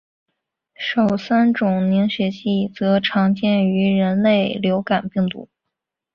首三种血凝素则常见于人类流感病毒。